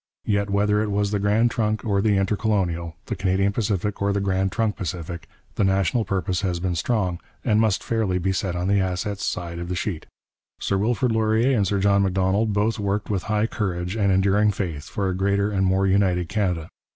Yet whether it was the Grand Trunk or the Intercolonial, the Canadian Pacific or the Grand Trunk Pacific, the national purpose has been strong, and must fairly be set on the assets side of the sheet. Sir Wilfrid Laurier and Sir John Macdonald both worked with high courage and enduring faith for a greater and more united Canada.